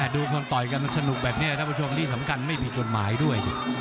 ดูคนต่อยกันมันสนุกแบบนี้ท่านผู้ชมที่สำคัญไม่ผิดกฎหมายด้วย